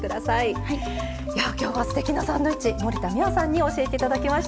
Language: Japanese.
や今日はすてきなサンドイッチ森田三和さんに教えて頂きました。